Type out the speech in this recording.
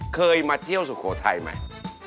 เคยมาเที่ยวสุโขทัยไหม